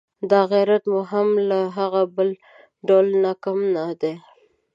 دا غیرت مو هم له هغه بل ډول نه کم نه دی.